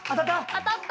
当たった！